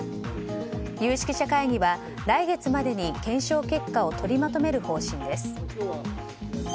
有識者会議は来月までに検証結果を取りまとめる方針です。